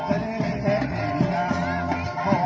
สวัสดีครับทุกคน